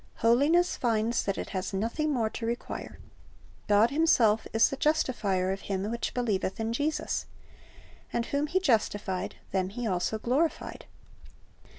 Holiness finds that it has nothing more to require. God Himself is " the justifier of him which believeth in Jesus." And "whom He justified, them He also glorified."'